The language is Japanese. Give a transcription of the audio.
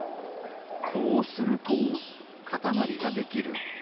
こうすると。